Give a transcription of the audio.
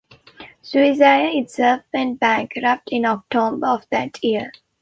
Swissair itself went bankrupt in October of that year.